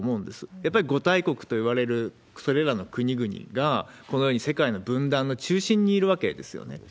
やっぱり５大国といわれるそれらの国々が、このように世界の分断の中心にいるわけですよね。